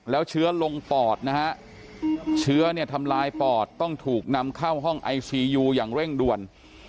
แล้วเชื้อลงปอดนะฮะเชื้อเนี่ยทำลายปอดต้องถูกนำเข้าห้องไอซียูอย่างเร่งด่วน